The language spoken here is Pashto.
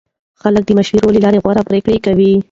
خلک د مشورې له لارې غوره پرېکړې کوي